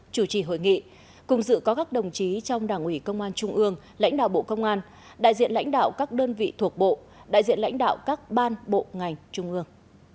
chủ trì hội nghị cùng dự có các đồng chí trong đảng ủy công an trung ương lãnh đạo bộ công an đại diện lãnh đạo các đơn vị thuộc bộ đại diện lãnh đạo các ban bộ ngành trung ương